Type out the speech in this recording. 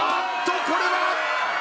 これは。